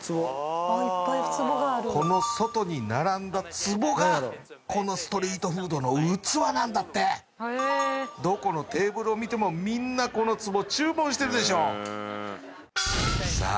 この外に並んだ壺がこのストリートフードの器なんだってどこのテーブルを見てもみんなこの壺注文してるでしょさあ